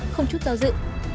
không chút giao dự